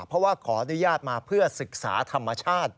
เพราะว่าขออนุญาตมาเพื่อศึกษาธรรมชาติ